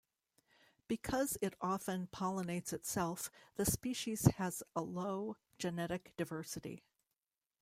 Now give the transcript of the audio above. Because it often pollinates itself, the species has a low genetic diversity.